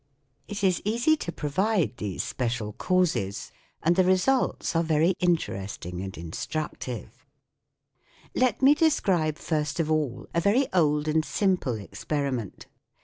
It is easy to provide these special causes, and interesting and instructive. Let me describe first of all a very old and simple experiment.